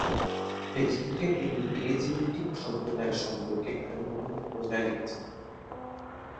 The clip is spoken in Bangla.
ফেসবুকে, তিনি এলজিবিটি সম্প্রদায় সম্পর্কে তাঁর মতামত বজায় রেখেছেন।